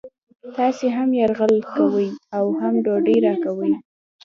تاسې هم یرغل کوئ او هم ډوډۍ راکوئ